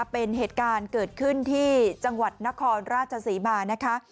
เป็นเหตุการณ์เกิดขึ้นที่จังหวัดนครราชศรีมานะคะ